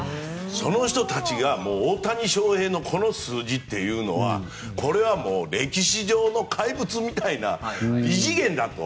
その人たちが大谷翔平のこの数字というのはこれはもう歴史上の怪物みたいな異次元だと。